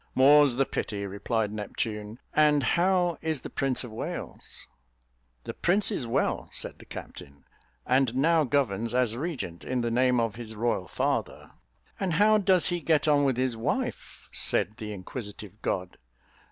"More's the pity," replied Neptune; "and how is the Prince of Wales?" "The Prince is well," said the captain, "and now governs as regent in the name of his royal father." "And how does he get on with his wife?" said the inquisitive god.